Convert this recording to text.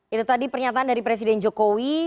itu tadi pernyataan dari presiden jokowi